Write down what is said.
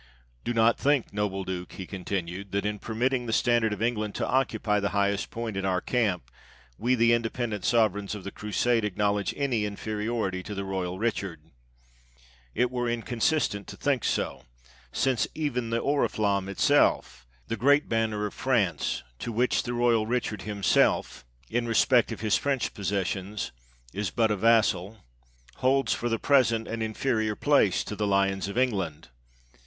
— Do not think, noble Duke," he con tinued, "that, in permitting the standard of England to occupy the highest point in our camp, we, the inde pendent sovereigns of the Crusade, acknowledge any inferiority to the royal Richard. It were inconsistent to think so; since even the oriflamme itself — the great banner of France, to which the royal Richard himself, in respect of his French possessions, is but a vassal — holds 6i6 THE TEARING DOWN OF ENGLAND'S FLAG for the present an inferior place to the Lions of England.